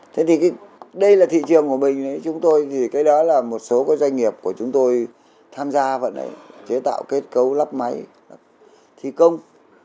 thế thì đây là thị trường của mình chúng tôi thì cái đó là một số doanh nghiệp của chúng tôi tham gia vận chế tạo kết cấu lắp máy thi công